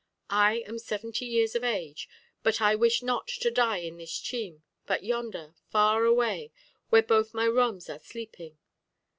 I am seventy years of age, but I wish not to die in this chim, but yonder, far away, where both my roms are sleeping.